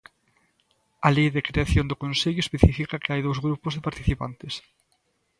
A Lei de creación do Consello especifica que hai dous grupos de participantes.